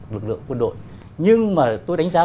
lực lượng quân đội nhưng mà tôi đánh giá